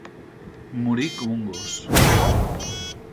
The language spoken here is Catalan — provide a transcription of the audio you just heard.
Morir com un gos.